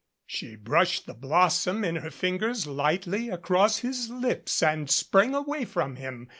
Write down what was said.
She brushed the blossom in her fingers lightly across his lips and sprang away from him.